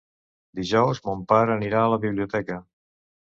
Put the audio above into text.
Dijous mon pare anirà a la biblioteca.